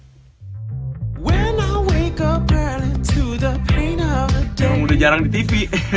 emang udah jarang di tv